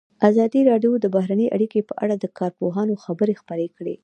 ازادي راډیو د بهرنۍ اړیکې په اړه د کارپوهانو خبرې خپرې کړي.